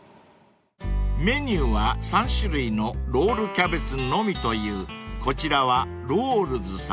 ［メニューは３種類のロールキャベツのみというこちらは］